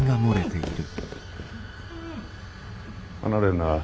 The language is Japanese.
離れるな。